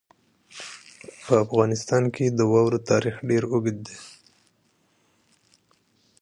په افغانستان کې د واورو تاریخ ډېر اوږد دی.